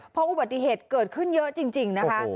เพราะอุบัติเหตุเกิดขึ้นเยอะจริงนะคะ